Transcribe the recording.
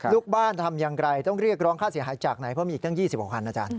ลูกบ้านทำอย่างไรต้องเรียกร้องค่าเสียหายจากไหนเพราะมีอีกตั้ง๒๐กว่าคันอาจารย์